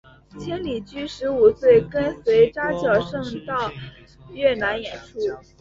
千里驹十五岁跟随扎脚胜到越南演出。